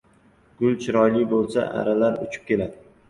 • Gul chiroyli bo‘lsa arilar uchib keladi.